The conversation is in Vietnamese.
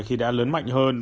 khi đã lớn mạnh hơn